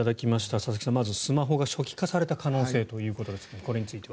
佐々木さん、まずスマホが初期化された可能性ということですがこれについては？